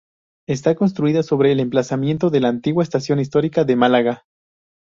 Está construida sobre el emplazamiento de la antigua estación histórica de Málaga.